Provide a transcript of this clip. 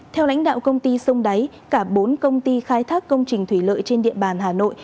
theo lãnh đạo công ty sông đáy cả bốn công ty khai thác công trình thủy lợi trên địa bàn hà nội